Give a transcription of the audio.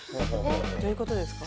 どういうことですか？